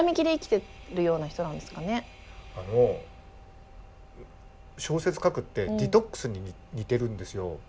あの小説書くってディトックスに似てるんですよ。